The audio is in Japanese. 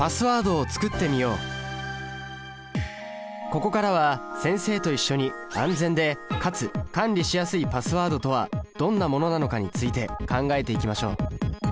ここからは先生と一緒に安全でかつ管理しやすいパスワードとはどんなものなのかについて考えていきましょう。